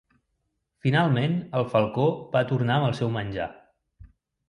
Finalment el falcó va tornar amb el seu menjar.